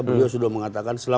beliau sudah mengatakan